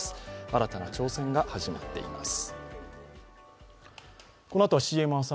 新たな挑戦が始まっています。